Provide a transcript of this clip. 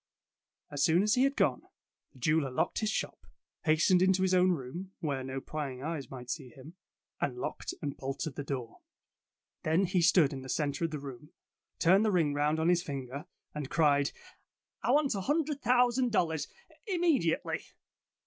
As soon as he had gone, the jeweller locked his shop, hastened into his own room, where no prying eyes might see him, and locked and bolted the door. Then he stood in the centre of the room, turned the ring round on his finger, and cried, "I Tales of Modern Germany 105 want a hundred thousand dollars im mediately!'